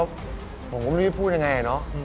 ผมก็ไม่รู้จะพูดยังไงเนอะ